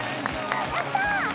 ・やった！